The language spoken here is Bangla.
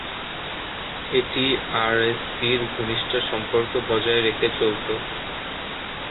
এটি আরএসপি'র ঘনিষ্ঠ সম্পর্ক বজায় রেখে চলতো।